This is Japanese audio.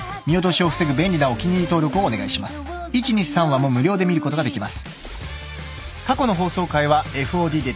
［１・２・３話も無料で見ることができます］